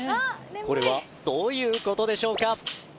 これはどういうことでしょうか？